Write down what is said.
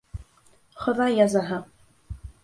Хоҙай язаһы!